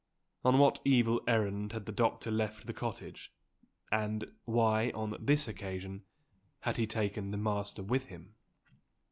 On what evil errand had the doctor left the cottage? And, why, on this occasion, had he taken the master with him?